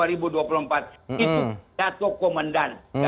itu pidato komandan